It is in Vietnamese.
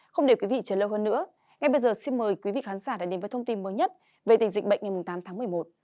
không để quý vị trở lâu hơn nữa ngay bây giờ xin mời quý vị khán giả đã đến với thông tin mới nhất về tình dịch bệnh ngày tám tháng một mươi một